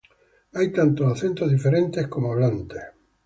Hay tantos acentos diferentes como hablantes